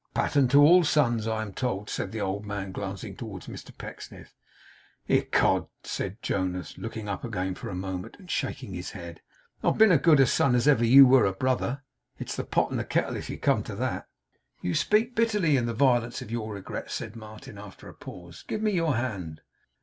'A pattern to all sons, I am told,' said the old man, glancing towards Mr Pecksniff. 'Ecod!' said Jonas, looking up again for a moment, and shaking his head, 'I've been as good a son as ever you were a brother. It's the pot and the kettle, if you come to that.' 'You speak bitterly, in the violence of your regret,' said Martin, after a pause. 'Give me your hand.